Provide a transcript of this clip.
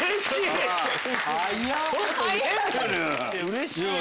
うれしい！